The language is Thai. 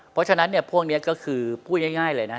เพราะฉะนั้นเนี่ยพวกนี้ก็คือพูดง่ายเลยนะ